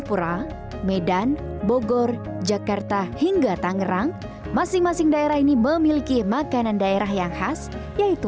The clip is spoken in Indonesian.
laksa di melayu